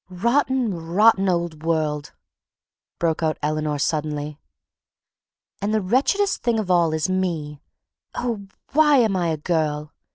"Rotten, rotten old world," broke out Eleanor suddenly, "and the wretchedest thing of all is me—oh, why am I a girl?